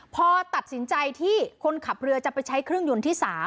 พอตัดสินใจที่คนขับเรือจะไปใช้เครื่องยนต์ที่๓